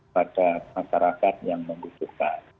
pada masyarakat yang membutuhkan